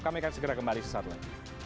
kami akan segera kembali sesaat lagi